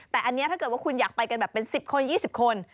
แต่อันนี้ถ้าเกิดว่าคุณอยากไปกันแบบเป็น๑๐คน๒๐คน